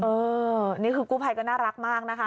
นี่คือกู้ภัยก็น่ารักมากนะคะ